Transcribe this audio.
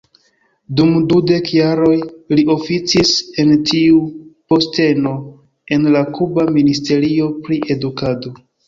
Dum dudek jaroj, li oficis en tiu posteno en la Kuba Ministerio pri Edukado.